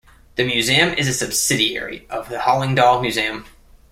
The museum is a subsidiary of the Hallingdal Museum.